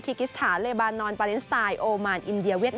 คีกิสถานเรบานอนปาเลนสไตน์โอมันอินเดีย